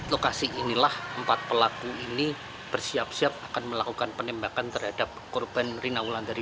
lokasi inilah empat pelaku ini bersiap siap akan melakukan penembakan terhadap korban rina wulandari